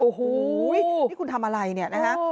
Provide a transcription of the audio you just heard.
โอ้โหนี่คุณทำอะไรเนี่ยนะฮะ